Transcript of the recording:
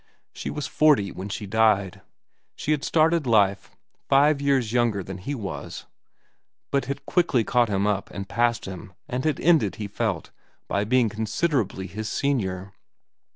She was forty when she died. She had started life five years younger than he was, but had quickly caught him up and passed him, and had ended, he felt, by being considerably his senior.